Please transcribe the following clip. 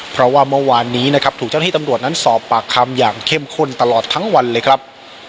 เพราะว่าเมื่อวานนี้นะครับถูกเจ้าหน้าที่ตำรวจนั้นสอบปากคำอย่างเข้มข้นตลอดทั้งวันเลยครับ